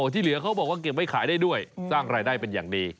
ที่เหลือเขาบอกว่าเก็บไว้ขายได้ด้วยสร้างรายได้เป็นอย่างดี